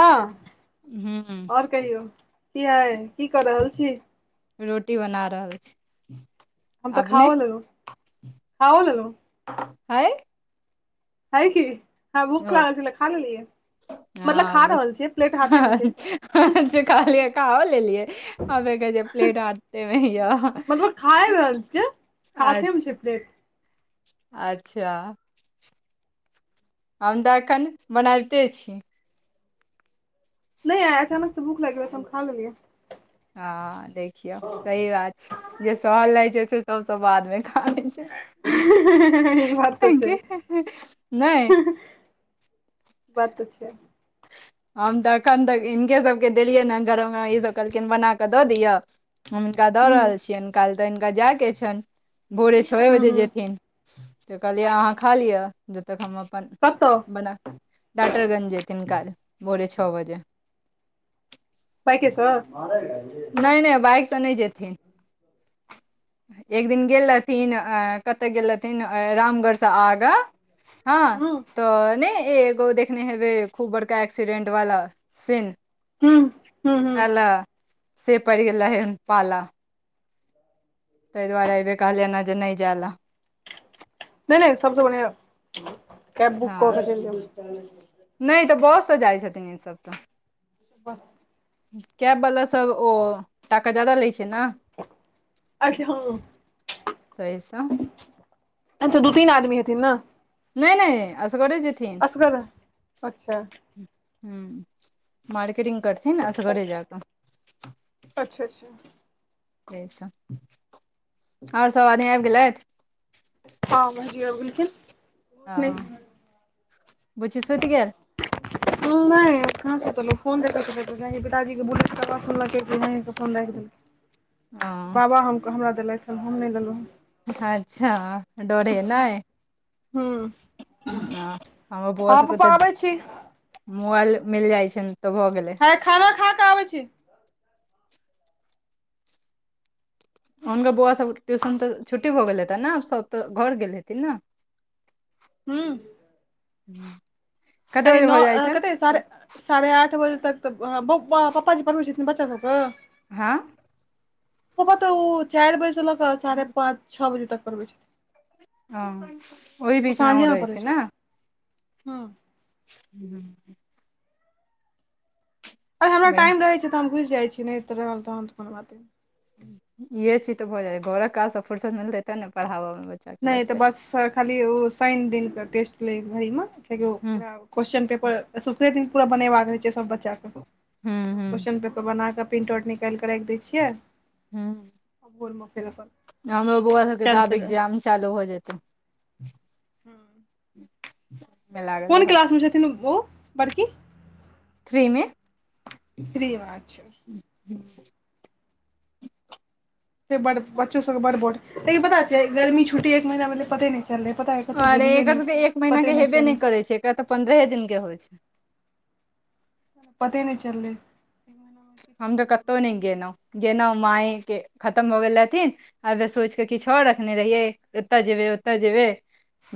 हँ हूँ आओर कहियौ की हय की क रहल छी? रोटी बना रहल छी। हम त अपने खाओ लेलौ खाओ लेलौ। हय हय की हमरा भूख लागल छेले खा लेलियै [inaudible] मतलब खा रहल छियै प्लेट हाथे में छै। [unintelligible] जे कहिलियै खाओ लेलियै अ बे कहै छियै प्लेट हाथ में य खाए रहल छियै। हाथे में छैे प्लेट। अच्छ हम तऽ एखन बनाबिते छी। नै आइ अचानक स भूख लाइग लेगै तऽ हम खा लेलियै। हँ देखियौ सही बात छै जे सहल रहै छै। सब स बादमे खा लै छै। नहि [unintelligible] ई बात तऽ छै। [unintelligible] हम तऽ एखन तक हिन केँ सभ केँ देलियैन हे गरम ईसभ कहलखिन बना कऽ दऽ दिय। हम हिनका दऽ रहल छियाइन काइलह तऽ हिनका जाय केँ छैन भोरे छए हूँ बजे हूँ जेथिन। तऽ कहलियै अहाँ खा लिय जबतक हम अपन। कत बना टाटरगंज जेथिन काइल भोरे छ बजे। बाइके स। [unintelligible] नै नै बाइकसँ नै जेथिन एक दिन गेल रहथिन अ कत गेल रहथिन रामगढ़सँ आगाँ हँ हूँ तऽ नै ऐ ब ओ देखने हेबै खूब बड़का एक्सीडेंट वाला सीन हूँ हूँ [unintelligible] से पैड़ गेले रहेन पाला। तै दुआरे अइबेर कहलियैन ने ज़े नै जाय ले। नै नै सबसँ बढ़िआ कैब बुक कऽ कऽ चैल जाउ। नै तऽ बस स जाइ छथिन इ सब तऽ वाह। कैब वला सब ओ टाका जादा लै छै ना अखनी ह [inaudible] ताइ स [inaudible] ऐत दू तीन आदमी हेथिन न। नै नै असगरे जेथिन। असगर अच्छा [inaudible] हू [inaudible] मार्केटिंग करथिन असगरे जाक। अच्छा अच्छा तै स [inaudible] और सब आदमी आइब गेलैथ हँ भाईजी यो आबि गेलखिन [inaudible] नै [inaudible] बुची सुत गैल [inaudible] नै अखन कहाँ फोन देखय छलय पिताजी केँ बुलेट प आवाज़ सुनलकय त फोन रख देलकय। [unintelligible] बाबा हम कऽ हमरा देलासइ हम नै लेलौ हँ। अच्छा डोरे नै हँ [inaudible] ह ओ बौआ हँ सब कऽ पप्पा तऽ आबै छी [inaudible] मोबाइल मिल जाय छै तऽ भए गेले। है खाना खा कऽ आबै छी। हुनकर बौआ सभ ट्यूशन तऽ छुट्टी भऽ गेल हेतैन न सभ तऽ घर गेल हेथिन न हा। ह। कनि नओ। कते साढ़े साढ़े आठ बजे तक पप्पा जी पढ़बै छै। बच्चा सभ के। हँ। हा। तऽ ओ चार बजेसँ ल क साढ़े पाँच छओ। बजे तक पढ़बै छथिन। ओ ओहि। ओ बीचमे अहँ साँझेमे रहै पढ़ै छी छथिन ने। हँ। हू। अरे हमरा बढ़िआँ टाइम रहै छै। तऽ हम घुस जाइ। छी नहि तऽ रहल तहन तऽ फेन बतेब। इहे चीज तऽ भऽ जाै घोर काज फुुरसत मिलते ते ने पढ़ाबा मे। बच्चाके नहि तऽ लगतै बस खाली ओ शनि दिनके टेस्ट लै घड़ी मे कियकि ओ हुँ पूरा। क्वेशस्न पेपर सुखरे दिन पूरा बनेबाक रह छै। सभ बच्चाके हूं तऽ हूं क्वेशचन पेपर बना क। प्रिंट आउट निकालिके राखि दै छियै। हूं आ भोरमे फेर अप्पन। हमरो बौआ सभ। के तऽ आब इक्जाम चालू हो जेतै। ह। ह। कोन क्लास मे छथिन। ओ बड़की। थ्री में। थ्री मे अच्छा। ह ह। बच्चा सभ के बड बोर्ड लेकिन पता छै। गर्मी छुटी एक महीना में। पे नहि। चले पता या। अरे एकर सभ एक महीना के हेबे नहि करै छै। एकरा तऽ पन्द्रहे दिन के होइ छै। पते नहि चले ह। हम तऽ कतहु नहि गेलहुं गेलहुं माँ के खतम हो गेल रहथिन। आउर सोच के। किछो रखने रहियै। ओतय जेबे ओतय जेबै।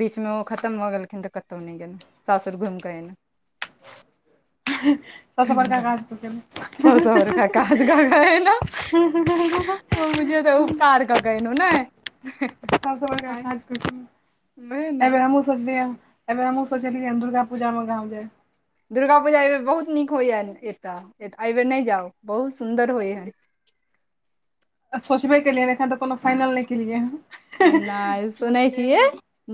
बीच में ओ खतम भऽ गेलखिन। तऽ कतहु नहि गेल सासुर घुमि। कऽ एयलहु। हाँ सभ। सँ बड़का काज प केलहुँ। सभ से बड़का काज क के आइले न। तऽ उपकार। कैलका न। एहि बेर हमहहुँ सोचलिय एहि बेर हमहहुँ सोचलियै दुर्गा पूजा में गाँव जायब। दुर्गा पूजा अबेर बहुत नीक होइ ह एतय एहिबेर नहि जाउ बहुत सुन्दर। होइ हइ। त सोचबे केलियै। एखन तऽ कोनो फाइनल नहि केलियै हे। नहि सुनै छियै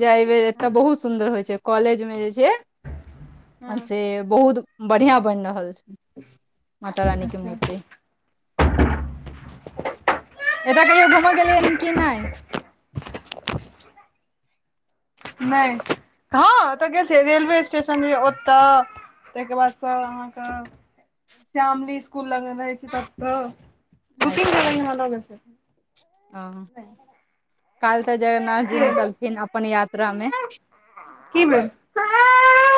जे एहि बेर एतऽ बहुत सुन्दर। हँ बहुत सुन्दर होइ छै। कॉलेजमे जे छै। हँ से बहुत बढ़ियां बनि। रहल छै। माता रानी के अच्छा मूर्ति। एत। कहिओ घुमऽ गेलयेन की नै। [inaudible] नहि हाँ ओत। गेल छलिए रेलवे स्टेशन य ओतय। ताहिके बाद स अहाँके। श्यामली स्कूल लग मे अछी त। बुकिंग कर हो। काल्यऽ जगन्नाथ। जी निकलथिन अपन यात्रामे। की भेल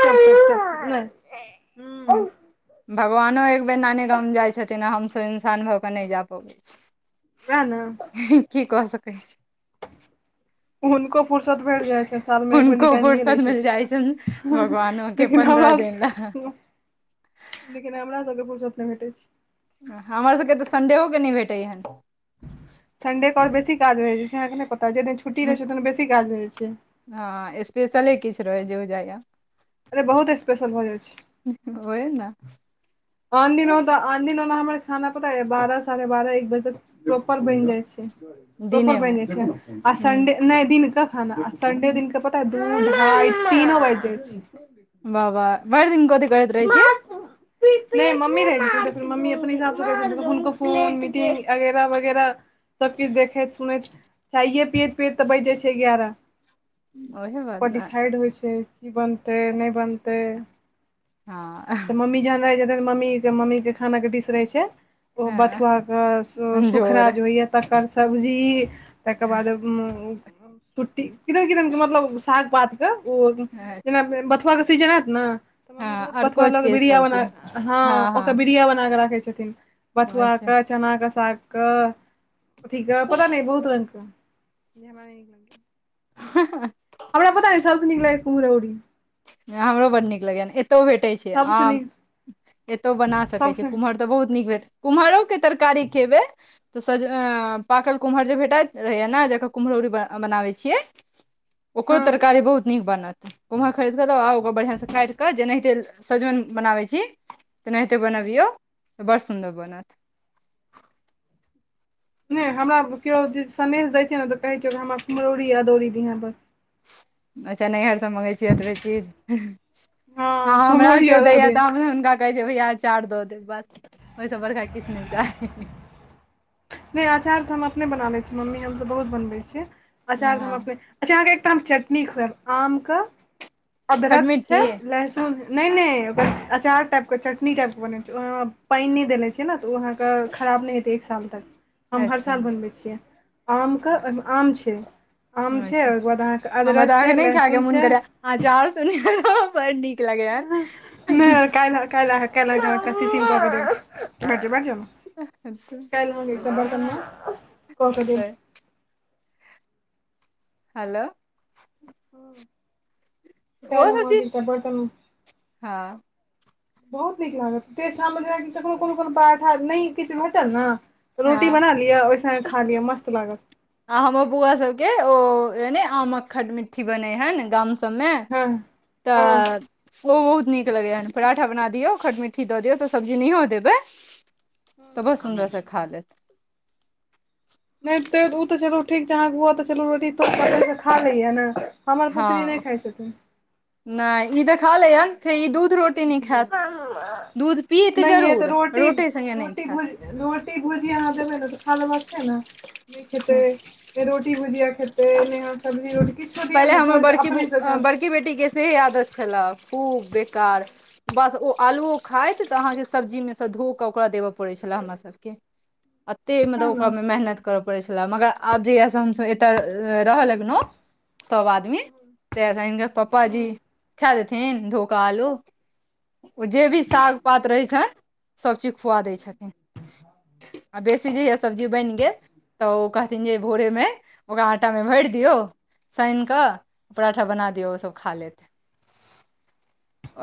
है नै। भगवानो एक बेर नानी गाम जाइत छथिन। आ हमसभ। इंसान भऽ कऽ नहि जा पबैत छी। वह न। की कह सकै छी। हुनको फुरसत भेट जाइ। छैन। साल मे एक बेर हुनको निकालिय लै फुर्सत मिल जाइ छनि छथिन भगवानो के लेकिन पन्द्रह हमरा। दिन लए लेकिन हमरा सभ के फुरशत नै भेटैत छै। हमर सभके तऽ संडे को हे नहि भेटैए य। संडे के आओर बेसी काज रहै छै। अहाँके। नहि पता जेहि दिन छुट्टी रहै छै। ओहि दिन बेसी काज रहै छै। हाँ स्पेशले किछ रहै छै। हो बुझाइया। ए बहुत स्पेशल भऽ जाइत छै। ओहि ने। आ दिन तऽ आन दिन ने हमर खाना पता बारह साढ़े बारह एक बजे तक प्रॉपर बनि जाइ छै। प्रोपर दिने मे बनि जाइ छै। आ हूँ संडे नहि दिनका खाना संडे दिन क पता। तऽ आई तीन बाज छी। वाह वाह भरि दिन कथी। करैत रहै छियै। नहि मम्मी रहे छतिन मम्मी अपने हिसाब से करें छतिन। हुनको फोन मीटिंग अगैराह वगैराह। सभकिछु। देखैत सुनैत चाइए पियैत पियैत तऽ बैज जाइत छै। एगयारह। ओहे बात तपर ने डिसाइड होइ छै। की बनतै नहि बनतै। ह। मम्मी जहन रहैत छैत तखन मम्मी मम्मी के खाना के डिश रहैत छै। ओ हँ बथुआके। झोर सुखरा जे होइएा। तकर सब्जी तकर बाद। छुट्टी किदैन। किदैन के मतलब साग पात। हँ बथुआ। के सीजन ऐत न मम्मी। ओकरा अरकोच न के बीड़िया बना सब्जी हँ के ओकरा हँ बीड़िया बना कऽ राखै छथिन। बथुआ। अच्छा क चना क साग क अथी। क पता न बहुत रंग के ह ह। हमरा पता य सभ से निक लागेय कुम्हरोरी। हमरो बड़ नीक लगयए एतहु भेटे छै। सभसँ आम नीक एतो बना सकैत छी सभसँ कुम्हर। तऽ बहुत नीक भेलेट कुम्हरो के तरकारी खेबे। तऽ सज पाकल कुम्हर। जे भेटैत रहैया ने जकर कुम्हरौरी बनाबैत छियै ओकरो हँ तरकारी बहुत नीक बनत कुम्हर खरीद कऽँ लोआ ओकर बढ़िआ। काटि कऽ जेनाहिते। सैजमनि बनाबैत छी तेनाहिते बनबियौ तऽ बड़ सुन्दर बनत। नहि हमरा किओ जे सन्देश दै छै। ने तऽ कहै छीय हमरा कुम्हरौरी अदौरी दिहै बस। अच्छा नैहरसम में होछे। एतबे चीज हँ हाँ हमरा कुम्हरौरी केओ दैया अदौरी तऽ हुनका। कहै छै। भैया अचार दऽ देब बस ओहिसँ। बड़का किछु नहि चाही। नहि अचार तऽ हम अपने। बनाबै छी मम्मी हमसभ। बहुत बनबै छियै अचार तऽ हम हँ अपने। अच्छा अहाँ के एकटा हम चटनी खुएब। आम के अदरक छै। खटमिट्ठी लहसुन। नहि नहि ओकर अचार टाइप के चटनी टाइप के बन छैलौ। पाइन नहि दैने छैलौ। तऽ अहाँ के खराब। नहि हेतै। एक साल तक। हम हर अच्छा साल बनबै छियै आमके। ओहिमे आम छैय। आम छै। अच्छा ओहिके बाद अहाँके। अदरक छै। लहसुन छै। आजार सुनिय बडीक। नहि काल्हि। काल्हि। काल्हि। चिटिंग। को के देखत छिय। नई कऽ के पता देब चलल। हेलो। ओ कायल सब हमर [unintelligible] चीज बेटा बड तंग हँ बहुत नीक लागत शाम ककरनो कोनो कोनो पाठा नहि किछु भेटल न हँ रोटी बना लियो ओहि संगे खा लिअ मस्त लागत आ हमर बौआ सब के ओ नहि आमक खट मिट्ठी बने हेन गाम सब मे हँ हँ तऽ ओ बहुत नीक लगै हन पराठा बना दियौ खट मिट्ठी दऽ दियौ तऽ सब्जी नहियओ देबै तऽ बहुत सुन्दर सँ खा लैत नहि त ओ तऽ चलू ठीक छैय अहाँ के बौआ तऽ चलू रोटी त खाअ लैय ने हमर हँ पुत्री नहि खाइ छथिन। नहि इ तऽ खाय लैय हन फेर इ दूध रोटी रोटे नहि खायत दूध पियत नहिये तऽ जरूर रोटी संगे नहि रोटी खायत भुज रोटी भुजीया अहाँ देबै न तऽ खा लेबाक छैय न नहि खेतै। खायत नहि रोटी भुजिया खेतै नहि सब्जी रोटी किछो दियौ पहिले ने हमर तोड़ि कऽ बड़की अपनेसँ खा [unintelligible] बड़की बेटी के सेहै आदत छला खूब बेकार बस ओ आलुओ खाइत तऽ अहाँके सब्जीमे सँ धोइ कऽ ओकरा देबय पड़ै छलए हमरा सबके। एते मतलब तैँ ने ओकरा मे मेहनत करऽ पड़े छला मगर आब जहिया से हमसब एतय रहै लग लौ सब आदमी तऽ हिनकर ह पपाजी खा देथिन धोइ कऽ आलू ओ जे भी साग पात रहै छनि सबचीज खुआ दैत छथिन आ बेसी जहिया सब्जी बनि गेल तऽ ओ कहथिन जे भोरेमे ' ओकरा आटा मे भरि दियऔ सानि कऽ पराठा बना दियऔ ओ सब खा लेते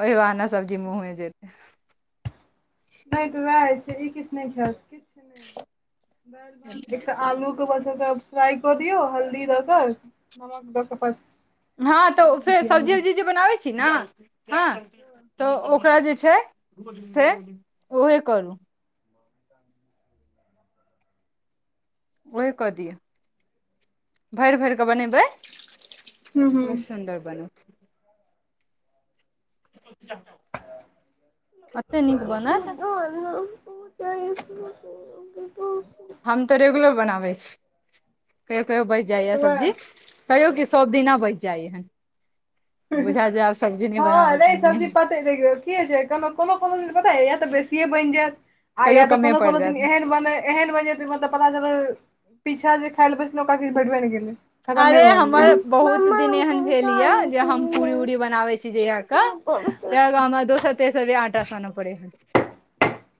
ओह बहाने सब्जी मुँहमे जेतै नहि त वएह छैय [unintelligible] इ किछु नहि खायत किछु नहि दाइल भात एकटा आलू बस फ्राई कऽ दियऔ हल्दी दऽ क नमक दऽ के पेक ह आलू तऽ फेर सब्जी उब्जी जे बनाबै छीय न ह तऽ ओकरा जे छैय से उहे करू ओह कऽ दिऔ भेर भेर कऽ बनेबै हूँ हूँ बड सुन्दर बनत [inaudible] धान एते प नीक बनत च [inaudible] बु बु [inaudible] हम तऽ रेगुलर बनाबैय अछी कहियो कहियो बेच नहि जाइए तऽ सब्जी वैह कयौ कि सब दिना बेच जाइ हन बुझा जा आब सब्जी नहि हँ बनाबऽके नहि मने सब्जी पते देखियौ की होइ छैय कोनो कोनो दिन पता या तऽ बेसियए बनि जायत आ या कहियो तऽ कमे कोनो पड़ कोनो दिन जायत एहन। मने एहन मने जे मतलब पता चल पीछा जे खायइ लए बैसल ओकरा किछ भेटबे नहि केलै खतमे अरे भऽ हमर गेलै बहुत मम्मा दिन एहन हमको भी भेल ये कहानी जे हम सुनना पूरी उूरी बनाबे अछी जहिय के त हमरा दोसर तेसर बेर आटा सानय पड़ेय।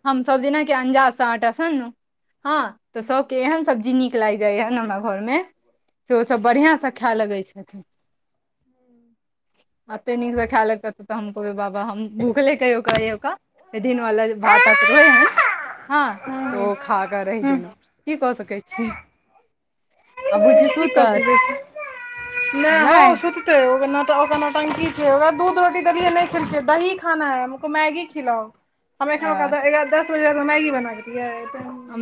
हम सब दिना के अंदाज से आटा सनलौ तऽ सब के एहन सब्जी नीक लाग जाइय हमरा घर मे से ओसब बढ़िआं से खाय लगै छथिन एते नीक से खाय लेत तऽ हम कहबै बाबा हम भूखले कहियो कह। ओकर दिन वाला भात रहै हन ह तऽ ओ खााकऽ रहि गेलहुँ कि कऽ सकैत छी आ बुझ सुन टा से बेसी नहि हँ ओ तऽ सुत [inaudible] नटंकी छै। ओकरा दूध रोटी देलियै नहि खेलकै दही खाना है हमहु मैगी खिलाओ। हम एखन अ दस बजे में। मैगी बना देियै।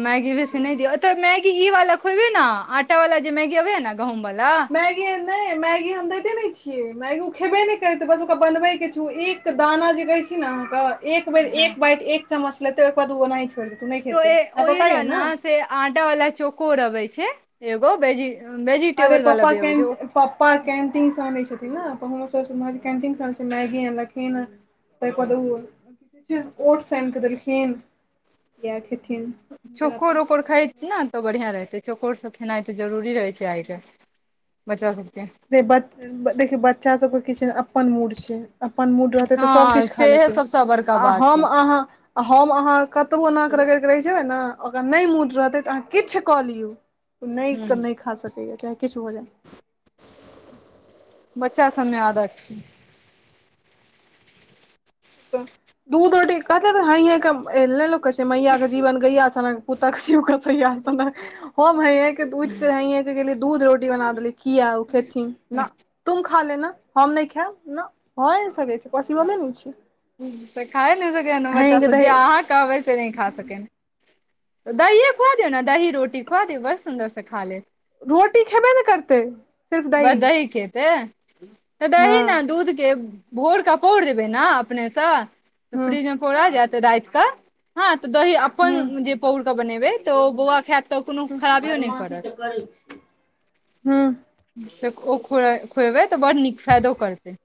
मैगी भसी नहि दियौत। मैगी इ वाला खोबे ने आटा वाला जे मैगी अबैया ने गहूँं वाला मैगी [inaudible] नहि मैगी हम दैते नहि छियै मैगी ओ खेबे नहि करैतै बस ओकरा बनबैके। एक। दाना जे कहे छै। ने अहाँ के एक बेर एक बाइट एक चमच लेते ओहिके बाद न छोइर देत्तई। उ नहि तो खेते आ ओहि बताइयै लए ने से आटा वाला चकोर अवे छै। एगोज अरे वेजिटेबल वाला पप्पा भी अबे कैन छै। ओ। पप्पा कैंटीन से आनै छथिन। ने हमरो सभ समान कैंटीन से अनले छथिन मैगी आनलखीन। तइ पर ओ ओटस आनि क देलखिन य खेथिन। जरा चौकोर अपन ओकर खा। पसन्द नहि तऽ बढ़िआ। रहतै चोकोर सभ खेनाइ तऽ जरूरी रहै छै। आइ कालहि बच्चा सभके। देखियौ बच्चा सभ। के किछु न अपन मूड छै। अपन मूड रहतै तऽ सभ। हँ किछु खा सेहे लेतै सबसँ बड़का आ बात छै हम अहाँ। आ हम अहाँ। कतबो नाक रगड़िके रहै छबे। ने ओकर नहि मूड रहतै तऽ अहाँ किछु। कऽ लियौ नहि ह क नहि खा सकैया चाहे किछु भऽ जाय। बच्चा सभ में आदत छै। दूध रोटी कहतै तऽ ह ह लोक कहै छै। मैया के जीवन गैया सनक। पुत सभ क सयन। हेय के उठ के हय के गेली दूध रोटी बना देली। किया ओ खेथिन। ना तुम खा ले ने हम नहि खायब ना। हँ इ सभ के पसिबले ने। छै। तऽ खाए नहि सकै बच्चा हइये के सभ जे दही अहाँ कहबै से नहि खा सकै। दहीए खुआ। दौ ने दही रोटी खुआ दियौ बड़ सुन्दर से खा लेस। रोटी खेबे ने करते। दही खेते तऽ हँ दही ने दूध के। भोर क पोड़। देबे ने अपने से तऽ हँ फ्रिज मे। पोरा जैत राइत। क हां त दही जे हँ अप्पन। पौर के जे बनेबे तो बउआ खैत। तऽ कोनो खराबियो नहि करत। कर ह। से ओ ख खुएबै। तऽ बड्ड। नीक फायदो करतै।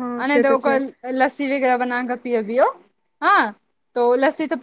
हँ अ नय से द तऽ छै ओकल। लस्सी वगैरह बना क पियअबियौ हँ तो लस्सी तऽ।